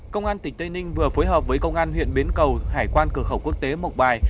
công an tỉnh tây ninh vừa phối hợp với công an huyện bến cầu hải quan cửa khẩu quốc tế mộc bài